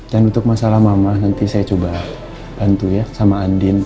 dan untuk masalah mama nanti saya coba bantu ya sama adin